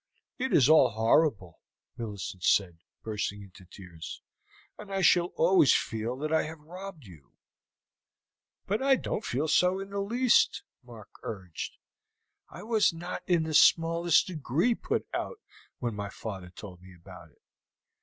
"It is all horrible," Millicent said, bursting into tears, "and I shall always feel that I have robbed you." "But I don't feel so in the least," Mark urged. "I was not in the smallest degree put out when my father told me about it.